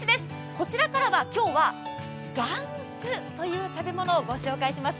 こちらからは今日はがんすという食べ物をご紹介します。